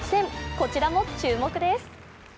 こちらも注目です。